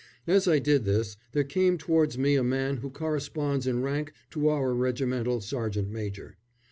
As I did this there came towards me a man who corresponds in rank to our regimental sergeant major.